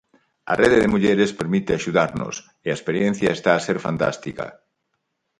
A rede de mulleres permite axudarnos, e a experiencia está a ser fantástica.